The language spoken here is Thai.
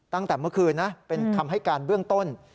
ตั้งแต่เมื่อคืนนะเป็นคำให้การเบื้องต้น